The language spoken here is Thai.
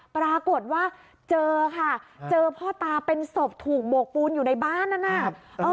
ปรากฏว่าเจอค่ะเจอพ่อตาเป็นศพถูกโบกปูนอยู่ในบ้านนั้นน่ะ